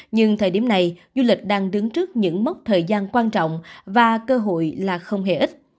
nhưng thời điểm này du lịch đang đứng trước những mốc thời gian quan trọng và cơ hội là không hề ít